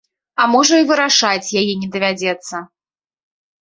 А можа і вырашаць яе не давядзецца.